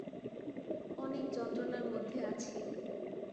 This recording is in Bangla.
অনেক যন্ত্রণার মধ্যে আছি।